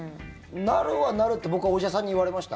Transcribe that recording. なるはなるって僕はお医者さんに言われました。